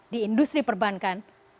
di industri perbankan